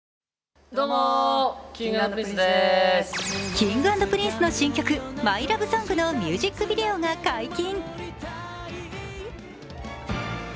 Ｋｉｎｇ＆Ｐｒｉｎｃｅの新曲、「ＭｙＬｏｖｅＳｏｎｇ」のミュージックビデオが解禁。